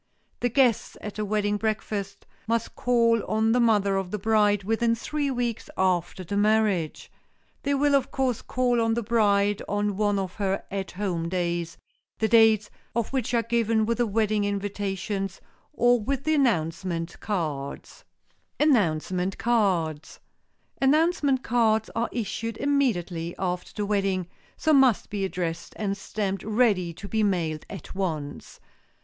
The guests at a wedding breakfast must call on the mother of the bride within three weeks after the marriage. They will, of course, call on the bride on one of her "At Home" days, the dates of which are given with the wedding invitations or with the announcement cards. [Sidenote: ANNOUNCEMENT CARDS] Announcement cards are issued immediately after the wedding, so must be addressed and stamped ready to be mailed at once.